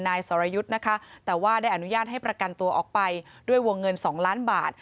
สรยุทธ์นะคะแต่ว่าได้อนุญาตให้ประกันตัวออกไปด้วยวงเงิน๒ล้านบาท